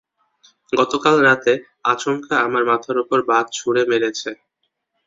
গতকাল রাতে, আচমকা আমার মাথার উপর বাজ ছুড়ে মেরেছে।